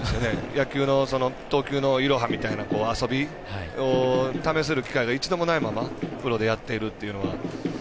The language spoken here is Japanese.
野球の投球のいろはみたいな遊びを試せる機会が一度もないままプロでやっているというのは。